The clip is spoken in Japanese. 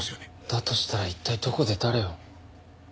だとしたら一体どこで誰を。